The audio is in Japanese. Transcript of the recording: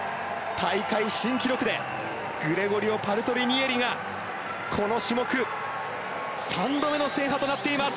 大会新記録でグレゴリオ・パルトリニエリがこの種目３度目の制覇となっています。